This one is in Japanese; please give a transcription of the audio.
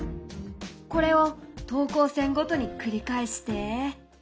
これを等高線ごとに繰り返して。